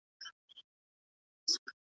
سم نیت انرژي نه ځنډوي.